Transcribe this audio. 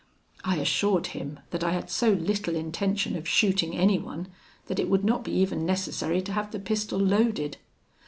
I assured him that I had so little intention of shooting anyone, that it would not be even necessary to have the pistol loaded.